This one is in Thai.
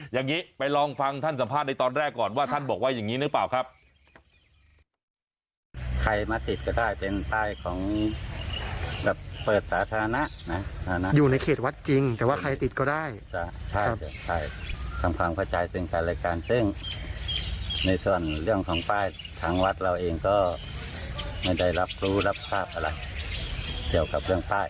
อย่างนี้ไปลองฟังท่านสัมภาษณ์ในตอนแรกก่อนว่าท่านบอกว่าอย่างนี้หรือเปล่าครับ